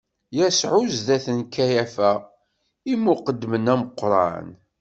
Yasuɛ zdat n Kayafa, lmuqeddem ameqqran.